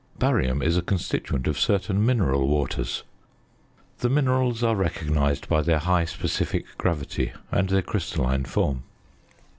Barium is a constituent of certain mineral waters. The minerals are recognised by their high specific gravity and their crystalline form.